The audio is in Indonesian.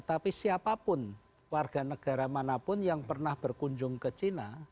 tapi siapapun warga negara manapun yang pernah berkunjung ke china